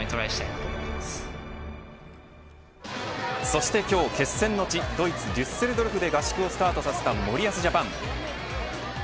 そして今日、決戦の地ドイツ、デュッセルドルフで合宿をスタートさせた森保ジャパン。